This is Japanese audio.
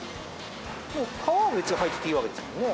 皮は別に入ってていいわけですもんね？